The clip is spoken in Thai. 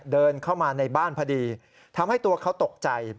เดินเข้ามาในบ้านพอดีทำให้ตัวเขาตกใจ